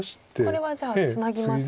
これはじゃあツナぎますか。